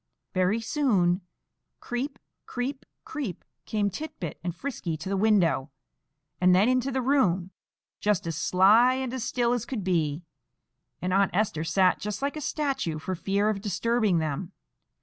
Very soon, creep, creep, creep, came Tit bit and Frisky to the window, and then into the room, just as sly and as still as could be, and Aunt Esther sat just like a statue for fear of disturbing them.